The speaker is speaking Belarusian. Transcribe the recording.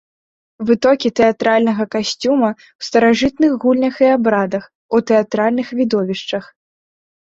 Вытокі тэатральнага касцюма ў старажытных гульнях і абрадах, у тэатральных відовішчах.